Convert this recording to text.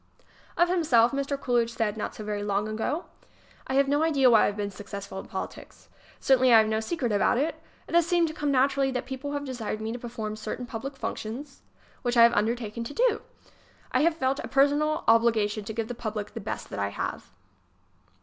Of himself Mr. Coolidge said, not so very long ago : I have no idea why I have been successful in politics. Certainly I have no secret about it. It has seemed to come naturally that people have desired me to perform certain public func , tzons, which I have undertaken to do. I have felt a personal obligation to give the public the best that I have.